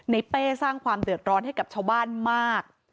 เป้สร้างความเดือดร้อนให้กับชาวบ้านมาก